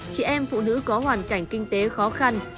chị em phụ nữ có hoàn cảnh kinh tế khó khăn